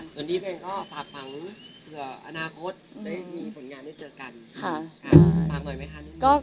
ส่วนที่เพลงก็ฝากฟังเผื่ออนาคตได้มีผลงานได้เจอกัน